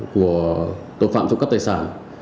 của tội phạm trộm cắp tài sản